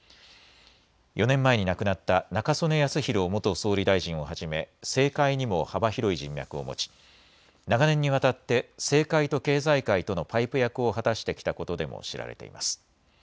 ４年前に亡くなった中曽根康弘元総理大臣をはじめ政界にも幅広い人脈を持ち長年にわたって政界と経済界とのパイプ役を果たしてきたことでも知られています。